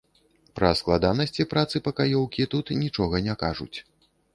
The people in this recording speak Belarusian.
Пра складанасці працы пакаёўкі тут нічога не кажуць.